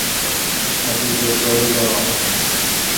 مہ تی کیر گاڑی داوام اؘ۔